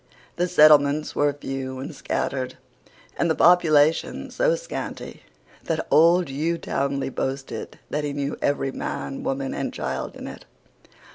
The settlements were few and scattered, and the population so scanty that old Hugh Townley boasted that he knew every man, woman and child in it.